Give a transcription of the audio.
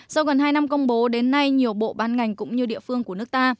sau gần hai năm công bố đến nay nhiều bộ ban ngành cũng như địa phương của nước ta